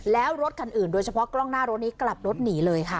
แล้วรถคันอื่นโดยเฉพาะกล้องหน้ารถนี้กลับรถหนีเลยค่ะ